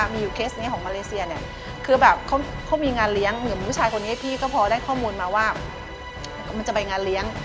มีอยู่เคสนี้ของมาเลเซียเนี่ยคือแบบเขามีงานเลี้ยงเหมือนผู้ชายคนนี้พี่ก็พอได้ข้อมูลมาว่ามันจะไปงานเลี้ยง